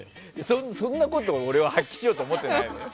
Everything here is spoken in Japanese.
そんなこと俺は発揮しようと思ってないのね。